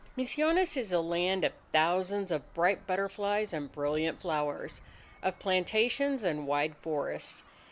Misiones is a land of thousands of bright butterflies and brilliant flowers, of plantations and wide forests.